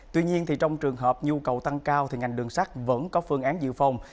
tuy nhiên trong trường hợp nhu cầu tăng cao thì ngành đường sắt vẫn có phương án dự phòng